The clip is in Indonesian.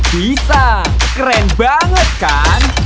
bisa keren banget kan